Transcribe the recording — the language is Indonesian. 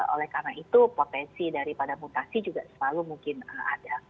oleh karena itu potensi daripada mutasi juga selalu mungkin ada